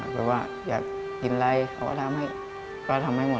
อย่างว่าอยากกินอะไรเขาก็ทำให้หมด